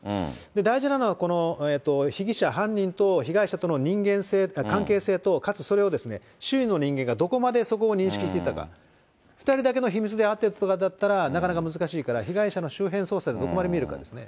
大事なのは、この被疑者、犯人と被害者との関係性と、かつそれを周囲の人間がどこまでそこを認識していたか、２人だけの秘密で会ったりだったとかは、なかなか難しいから、被害者の周辺捜査にどこまで見るかですね。